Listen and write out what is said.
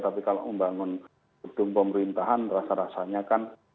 tapi kalau membangun gedung pemerintahan rasa rasanya kan